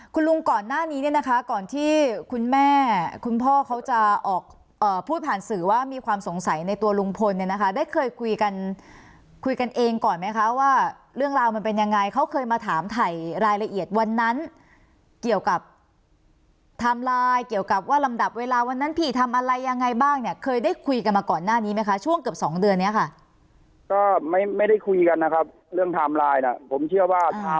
คุณลุงก่อนหน้านี้เนี่ยนะคะก่อนที่คุณแม่คุณพ่อเขาจะออกพูดผ่านสื่อว่ามีความสงสัยในตัวลุงพลเนี่ยนะคะได้เคยคุยกันเองก่อนไหมคะว่าเรื่องราวมันเป็นยังไงเขาเคยมาถามถ่ายรายละเอียดวันนั้นเกี่ยวกับไทม์ไลน์เกี่ยวกับว่ารำดับเวลาวันนั้นพี่ทำอะไรยังไงบ้างเนี่ยเคยได้คุยกันมาก่อนหน้านี้ไหมคะช่วงเกือบ